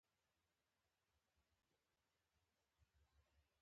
د مالکیت حقونو خوندیتوب په سکتور کې انقلاب ته لار هواره کړه.